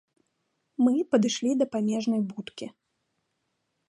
Мы падышлі да памежнай будкі.